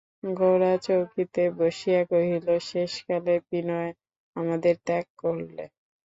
গোরা চৌকিতে বসিয়া কহিল, শেষকালে বিনয় আমাদের ত্যাগ করলে?